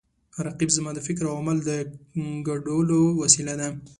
رقیب زما د فکر او عمل د ګډولو وسیله ده